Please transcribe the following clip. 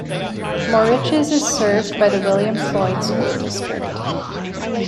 Moriches is served by the William Floyd School District.